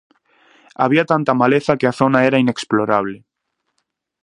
Había tanta maleza que a zona era inexplorable.